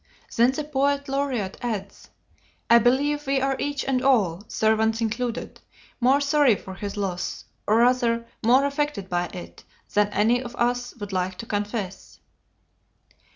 Then the poet laureate adds, "I believe we are each and all, servants included, more sorry for his loss, or, rather, more affected by it, than any of us would like to confess."